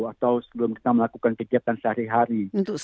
atau sebelum kita melakukan kegiatan sehari hari